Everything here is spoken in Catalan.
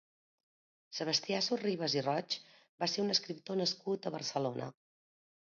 Sebastià Sorribas i Roig va ser un escriptor nascut a Barcelona.